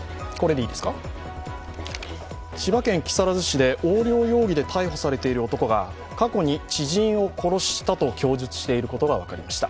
千葉県木更津市で横領容疑で逮捕されている男が過去に知人を殺したと供述していることが分かりました。